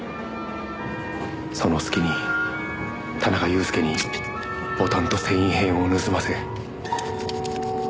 その隙に田中裕介にボタンと繊維片を盗ませ。